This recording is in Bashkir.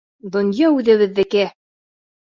Донъя үҙебеҙҙеке!